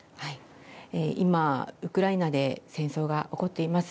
今、ウクライナで戦争が起こっています。